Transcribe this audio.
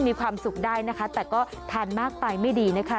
มีความสุขได้นะคะแต่ก็ทานมากไปไม่ดีนะคะ